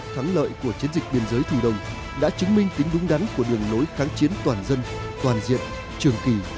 thắng lợi của chiến dịch biên giới thu đông đã chứng minh tính đúng đắn của đường lối kháng chiến toàn dân toàn diện trường kỳ